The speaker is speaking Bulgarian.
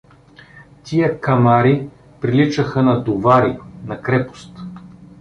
Тия камари приличаха на дувари, на крепост.